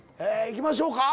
行きましょうか。